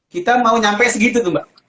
kita mau nyampe segitu tuh mbak